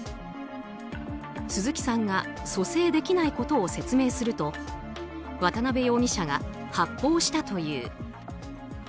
鈴木さんが蘇生できないことを説明すると渡辺容疑者が発砲したという。